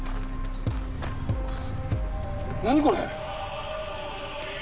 何これ！？